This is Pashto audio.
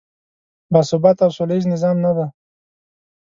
باثباته او سولیز نظام نه دی.